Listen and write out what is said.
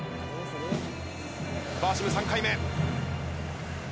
バーシム３回目。